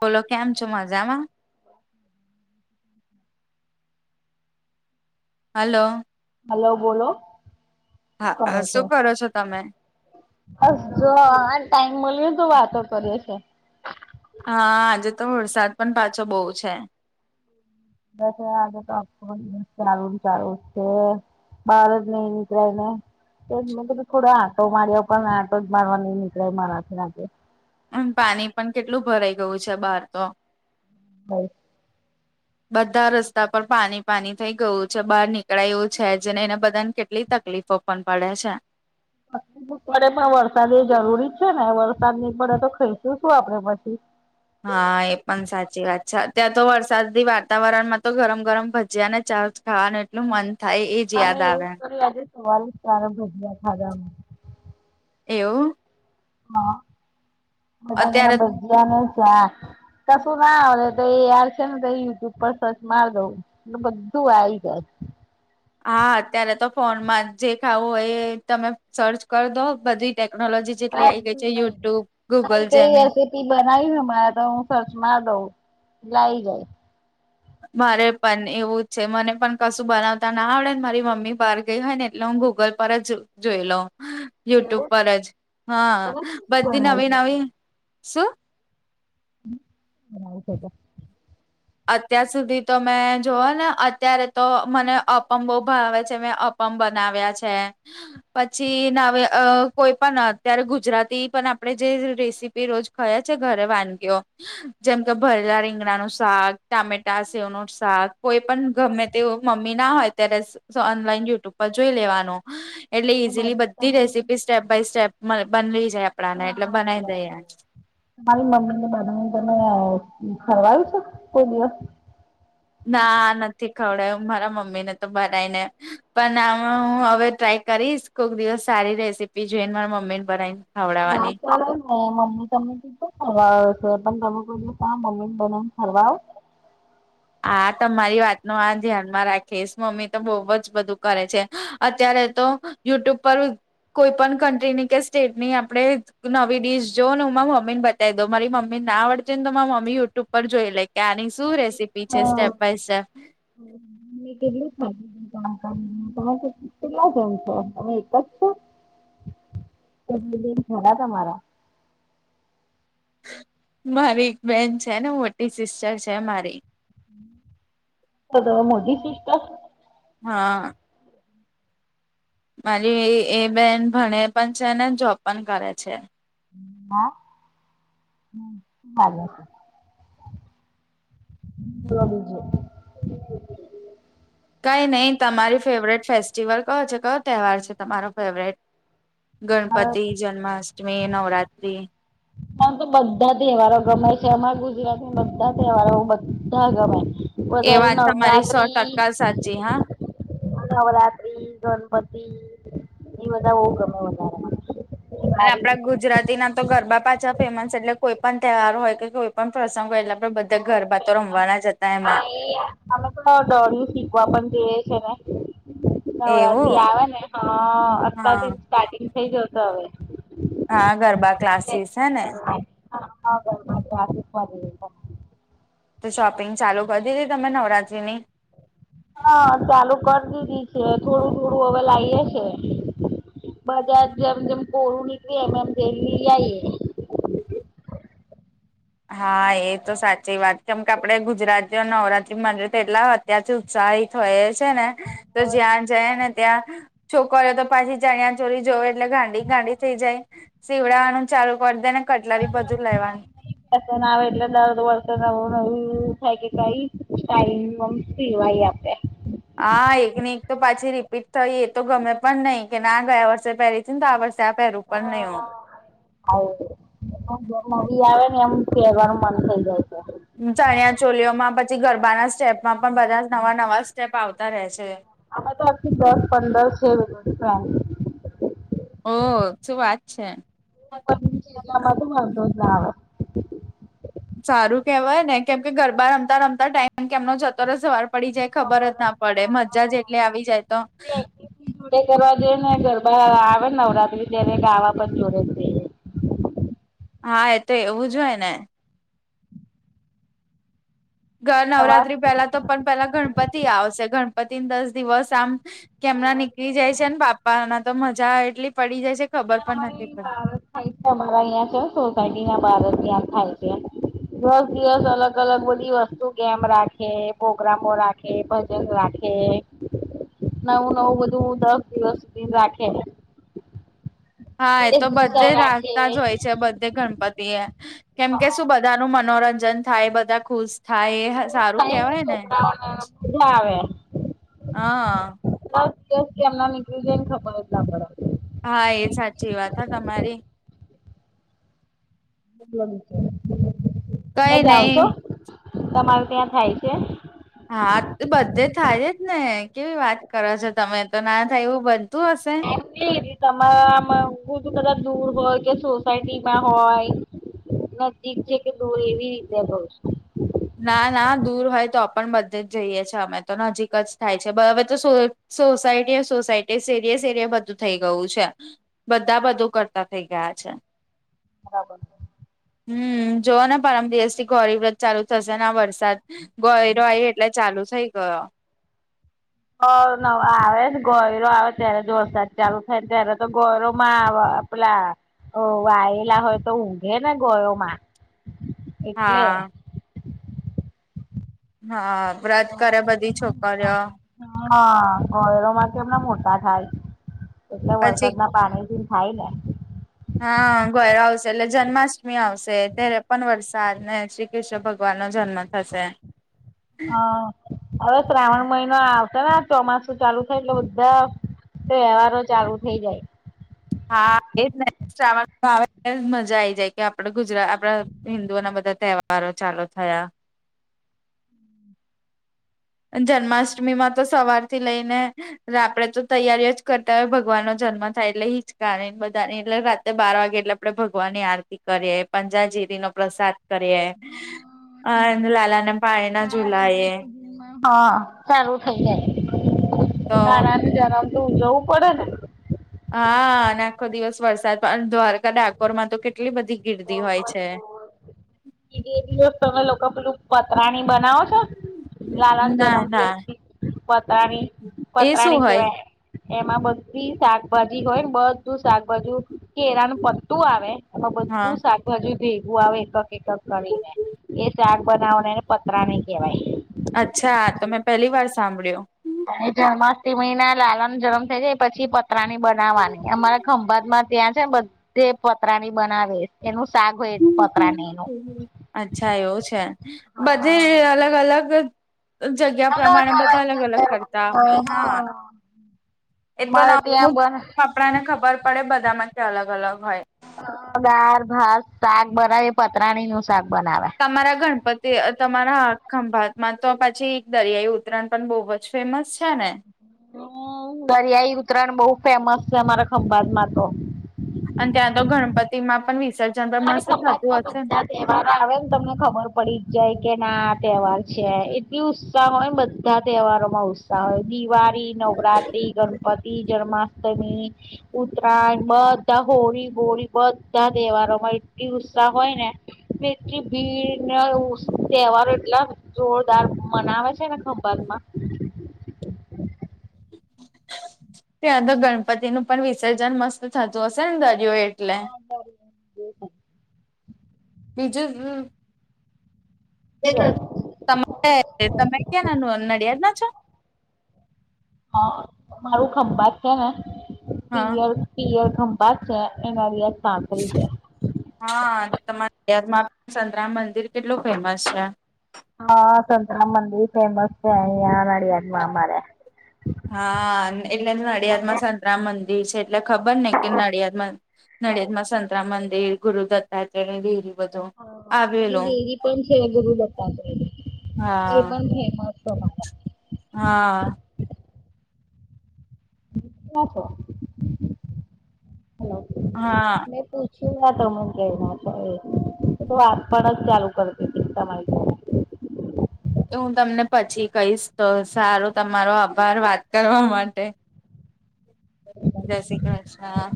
બોલો કેમ છો મજામાં [inaudible] હલો હલો બોલો શું હા કરો છો? શું કરો તમે? હસ જો આ ટાઈમ મળ્યો તો વાતો કરી હશે હા આજે તો વરસાદ પણ પાછો બોવ છે બસ આતો [unintelligible] બહાર જ નઈ નીકળાય ને એજ મ થોડો આંટો માર્યા પણ ને આટો જ મારવા નઈ નીકળે મારાથી આજે અન પાણી પણ કેટલું ભરાઈ ગયું છે બહાર તો બસ બધા રસ્તા પર પાણી પાની થઈ ગયું છે બહાર નીકળાયું છે જેને એને બધાને કેટલી તકલીફો પણ પડે છે પડે પણ વરસાદ એ જરૂરી છે ને વરસાદ ની પડે તો ખાઈશું શું આપડે પછી હા એ પણ સાચી વાત છે અ ત્યાં તો વરસાદી વાતાવરણમાં તો ગરમ ગરમ ભજીયા ને ચા ખાવાનું એટલું મન થાય એજ યાદ આવે હવારે જ તારા ભજ્યા ખાદા અમે એવું હા બધા અત્યારે બના ભજ્યા ને ચા કસું ના આવે તો એ યાર [unintelligible] બધું આવી જાય હા અત્યારે તો ફોનમાં જે ખાવું હોય એ તમે સર્ચ કરી દો બધી ટેકનોલોજી જેટલી આવી ગઈ છે બધું આઈ જાય. યુટ્યુબ ના ગુગલ કઈ જેમીન એ રેસીપી બનાવી હમણાં તો હું સર્ચ માર દઉં એટલે આવી જાય મારે પણ એવું જ છે મને પણ કશું બનાવતા ના આવડે ને મારી મમ્મી બહાર ગઈ હોય ને એટલે હું ગૂગલ પર જ જોઈ લો યુટ્યુબ પર જ હા બધી બનાવી નવી શકો નવી શું [unintelligible] અત્યાર સુધી તો મેં જોવ ને અત્યારે તો મને અપમ બો ભાવે છે મેં અપ પમ બનાવ્યા છે પછી નાવે કોઈ પણ અત્યારે ગુજરાતી પણ આપડે જે રેસીપી રોજ ખયા છે ઘરે વાનગીઓ જેમ કે ભરેલા રીંગણાનું શાક ટામેટા સેવનું શાક કોઈ પણ ગમે તે મમ્મી ના હોય ત્યારે ઓનલાઈન યુટ્યુબ પર જોઈ લેવાનું એટલે ઇઝીલી તમારી બધી રેસીપી સ્ટેપ બાય સ્ટેપ બનલી જાય આપડાને એટલે બનાવી દઈએ તમારી મમ્મી ને બનાવીને તમે ખવડાવ્યું છે કોઈ દિવસ ના નથી ખવડાવ્યું મારા મમ્મી ને તો બનાઈને પણ આમાં હું હવે ટ્રાય કરીશ કોક દિવસ સારી રેસીપી જોઈ ને મારા મમ્મી ને બનાવીને ખવડાવવાની એવુ ના ચાલે ને [unintelligible] હા તમારી વાત ન આ ધ્યાનમાં રાખીશ મમ્મી તો બહુ જ બધું કરે છે અત્યારે તો- યુટ્યુબ પર કોઈ પણ કન્ટ્રી ની કે સ્ટેટની આપડે નવી ડીશ જો ને ઉમાં મમીન બ- જો મારી મમ્મી ના આવડે ને તો મા મમ્મી યુટ્યુબ પર જોઈ લે કે આની શું રેસીપી પીછે સ્ટેપ બાય સ્ટેપ- હ [inaudible] કેટલું જાણકારી કે કેટલા જેમ છેો તમે એક જ છો- [inaudible] થડા તમારા- મારી એક બેન છે ને મોટી સિસ્ટર છે મારી- બે મોટી સિસ્ટર હા મારી એ બેન ભણે પણ છે ને જોબ પણ કરે છે. હા હ [unintelligible] શે છે સ્મી છેું [unintelligible] કઈ નહી તમારી ફેવરેટ ફેસ્ટિવલ કયો છે કયો તહેવાર છે તમારો ફેવરેટ મારા ગણપતિ જન્માષ્ટમી નવરાત્રી - આમ તો બધા તહેવારો ગમે છે. અમારા ગુજરાતમાં બધા તહેવારો બધા ગમે- એ વધારે વાત તમારી સો નવરાત્રી ટકા સાચી હા નવરાત્રી ગણપતિ નવેતા હમ વધારે અને દિવાળી આપડા ગુજરાતી ના તો ગરબા પાછા ફેમસ એટલે કોઈ પણ તહેવાર હોય કે કોઈ પણ પ્રસંગ હો એટલા બધા ગરબા તો રમવાના જ હતા આ એમાં- એ અમે થોડા દોર શીખવા પણ જેઈએ છે ને નવરાતી એવું આવે ને હ અતથી હા સ્ટાર્ટિંગ થઈ જ તો હવે- હા ગરબા ક્લાસીસ હે ને- હાા આધિકવા [unintelligible] તો શોપિંગ ચાલુ કરી દીધી તમે નવરાત્રી ની- હા ચાલુ કરી દીધી છે થોડું થોડું હવે લાવએ છે. બધા જેમ જેમ કોરું નીકળ એમ એમ દેહી આઈએ- હા એ તો સાચી વાત કેમ કે આપડે ગુજરાતી નવરાત્રી મંદિર કેટલા- ત્યાંથી ઉત્સાહિત હોય છે ને તો જ્યાં જઈ ને ત્યાં- છોકરો તો પાછી ચણ્યા ચોરી જોયો એટલે ગાંડી ગાંડી થઈ જાય. સીવડાવાનું ચાલુ કરી દે ને કટલારી બધું લેવાનું- પ ના આવે એટલે દરદ વર્ષ નવું નવું થાય કે કઈ ટાઈમ- સિવાય આપે- હા એક ને એક તો પાછી રીપીટ થઈ એ તો ગમે પણ નહીિ કે ના ગયા વર્ષે પહેલીથી ને તો આ વર્ષે- ત પહેરું પણ નહી હો? જેમ ન આવે ને એમ કહેરવાનું મન થઈ જાય છે. ચણિયા ચોલીઓમાં પછી ગરબાના સ્ટેપમાં પણ બધા નવા નવા સ્ટેપ આવતા રહે છે. આમે તો અખ દસ પંદર છ વગ રૂપિયા- ઓહ શું વાત છે? પમાં તો વાંધો- સારું કેહેવાય ને કેમ કે ગરબા રમતા રમતા ટાઈમ કે એમનો જતો રહેશેવાર- પડી જાય ખબર જ ના પડે મજા જે એટલે આવી જાય તો- ડે કરવા જઈ ને ગરબા આવે ને નવરાત્રી ત્યારે ગાવા પણ જોડે જ છે. હા એ તો એવું જ હોય ને- ઘર સવાર નવરાત્રી પહેલા તો પણ પેલા ગણપતિ આવશે ગણપતિ દસ દિવસ આમ- કેમના નીકળી જાય છેને પાપાના તો મજા એટલી પડી જાય છે. ખબર પણ અમારે નથી પડતી બાારત થાય છે અમારા અહં છે સોસાયટી ના બારત ત્યાં થાય છે. દસ દિવસ અલગ અલગ બધી વસ્તુ કેમ રાખે પ્રોગ્રામો રાખે- એ પજસ રાખે [inaudible] નવું નવું બધું દસ દિવસ સુધી રાખે હા એ એક તો ભૂસા બધે રાખે રાખતા જ હોય છે બધે ગણપતિ એ કેમ કે શું બધા ન મનોરંજન થાય બધા ખુશ થાય. સારું કેવાય ને છોકરાઓને મજા આવે હા સ કે એમના નીકળી જાયને ખબર એટલા પડ હા એ સાચી વાત હ તમારી તમે કઈ જાઓ નઈ છો તમારું ત્યાં થાય છે. હા બધે થાય જ ને કેવી વાત કરો છો, તમે તો ના થાય એવું બનતું હશે. એ તમારા આમ બધું કદાચ દૂર હોય, કે સોસાયટીમાં હોય. નજીક છે કે દૂર એવી રીતે્યા બ ના ના દૂર હોય તો પણ બધે જ જઈએ છ છેએ અમે તો નજીક જ થાય છે, હવે તો સોસાયટી સોસાયટી સેરીિ સ એરીિય બધું થઇ ગયું છે. બધા બધું કરતા થઇ ગયા છે. રારાબ હમ જોઓ ને પરમ દિવસ થી ગોરી વ્રત ચાલુ થશે ના વરસાદ ગયરોય એટલે ચાલુ થઇ ગયો. હ ન આવે ગોયરો આવે ત્યારે જોરસાજ ચાલુ થાયને ત્યારે તો ગોયરો માં આવે પલા વાયલા હોય, તો ઊઘે ને ગયોમા [unintelligible] એટલે હા વ્રત કરે બધી છોકરીઓ. હા ગરોમાં કે એમને મોતા થાય એટલે પછી વરસાદ ના પાણીથી. થાઈને હા ગયયો આવશે એટલે જન્માષ્ટમી આવશે ત્યારે પણ વરસાદ ને શ્રી કૃષ્ણ ભગવાન નો જન્મ થશે હા હવે શ્રાવણ મહિનો આવતા ને ચોમાસું ચાલુ થાય એટલે બધા તો વહેવારો ચાલુ થઇ જાય. હા એાવ મજા આ આવી જાય કે આપડ ગુજરાત આપડા હિન્દુઓ ના બધા તહેવારો ચાલુ થયા. જન્માષ્ટમી માં તો સવારથી લઈને આપડે તો તૈયારીઓ જ કરતા હોય ભગવાન નો જન્મ થાય એટલે હિચકા બધા ની એટલે રાત્રે બાર વાગે એટલે આપડણે ભગવાનની આરતી કરીએ પંજાજીરીનોો પ્રસાદ કરી લાલાને પાાય ના ઝુલાય હા સારું થઈ તો જાય કાર ત્યારે આમ તો જવું પડે ને હા આખો દિવસ વરસાદડ દ્વારકા ડાકોોર માં તો કેટલી બધી ગિરદી હોય છે. બે દિવસ તમે લોકો પેલું પતરાની બનાવો છો. લલાનો ના જન્મદિિવસ ના પત્રરાાણી એ શું પત્રરાાણી હોય કેવા એમાં બધી શાકભાજી હોય ને બધું શાકભાજુ કેરાનું પટ્ટું આવે એમાં હા બધું સા બજુ ભેગું આવે એક એકક કરીને એ શાક બનાવવાને એને પતરા નને કહેવાય. અચ્છા તો મેં પહેલી વાર સાંભળ્યો જન્માષ્ટમી ના લાલા ન જન્મ થઈ જાય પછી પતરાની બનાવવાની અમારે ખંભાત માં ત્યાં છેને, બધે પતરાની બનાવીશ એનું સાગ પેજપત્રાની અચ્છા એવું છે, બધે હા અલગ અલગ જગ્યા અલગ પ્રમાણે બધા અલગ અલગ જગ્યા કરતા હોય હા એ તો મારે ના ત્યાં બને આપણાને ખબર પડે બધા માં અલગ અલગ હોય દાળ ભાત શાક બનાવી પતરાણી નું શાક બનાવાય તમારા ગણપતિ તમારા ખંભાતમાં તો પછી દરિયાઈ ઉતરાયણ પણ બહુ ફેમસ છે ને દરિયાઈ ઉત્તરાયણ બહુ ફેમસ છે અમારા ખંભાતમાં તો અને ત્યાં તો ગણપતિ માં પણ વિસર્જ અને ખબાત માં બધા જ તહેવાર આવે તમને ખબર પડી જ જાય કે ના તહેવાર છે એટલ ઉત્સાહ હોય ને બધા તહેવારોમાં ઉત્સાહ હોય દિવાળી નવરાત્રિ ગણપતિ જન્માષ્ટમીન ઉતરાયણ બધા હોળી બોળી બધા તહેવારોમાં ઉત્સાહ હોય ને એટલી ભીડ તહેવારો એટલા જોરદાર મનાવે છે ને ખંભત માં ત્યાં તો ગણપતિ નું પણ વિસર્જન મસ્ત થતું હશે ને દરિયો એટલે [inaudible] બીજું તમે તમે ક્યાં ના નડિયાદ ના છો. હા મારું ખંભા છે ને હા પિયર પિયર ખંભા છે એ નડિયાદ સાંંતળરી જાય હા તમારાયામાં સંતરામ મંદિર કેટલું ફેમસ છે. હા સંંતરામ મંદિર ફેમસ અહીંયાના જ હા એટલે નડિયાદમાં રામ મંદિર છે એટલે ખબર ને કે નડિયાદમાં નડિયાદમાં સંતરા મંદિર ગુરદત્તાત્ર બીર હ દેવી પણ શરગુરુ બ એ હા પણ ફેમસ હા છો હલો હા પૂછી ના ત અમુ કે ના છો વાત પણ જ ચાલુ કરતી હતી તમા હું તમને પછી કહીશ તો સારો તમારો આભાર વાત કરવા માટે જય શ્રી કૃષ્ણ